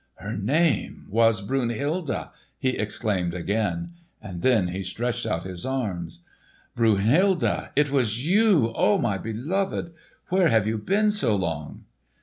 "Her name was Brunhilde!" he exclaimed again; and then he stretched out his arms. "Brunhilde, it was you, oh, my beloved! Where have you been so long?"